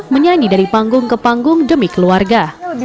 menyanyi dari panggung ke panggung demi keluarga